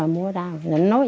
mua ở đâu